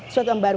suatu yang baru